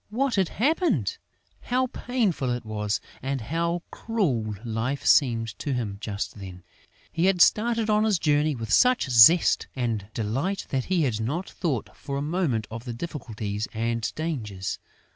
What had happened? How painful it was! And how cruel life seemed to him just then! He had started on his journey with such zest and delight that he had not thought for a moment of the difficulties and dangers.